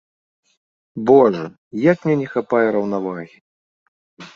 Божа, як мне не хапае раўнавагі!